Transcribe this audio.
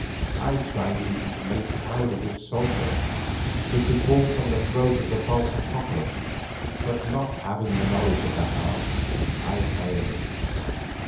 I tried even to make powder with sulphur which was brought from the throat of the volcan Popo, but, having no knowledge of that art, I failed.